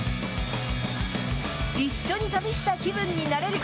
一緒に旅した気分になれる。